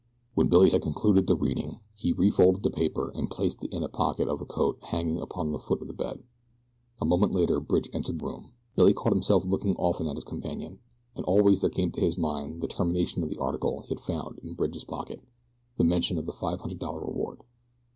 When Billy had concluded the reading he refolded the paper and placed it in a pocket of the coat hanging upon the foot of the bed. A moment later Bridge entered the room. Billy caught himself looking often at his companion, and always there came to his mind the termination of the article he had found in Bridge's pocket the mention of the five hundred dollar reward.